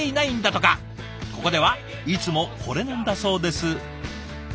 ここではいつもこれなんだそうです。